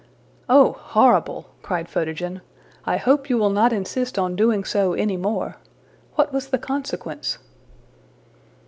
'' ``Oh, horrible!'' cried Photogen. ``I hope you will not insist on doing so anymore. What was the consequence?''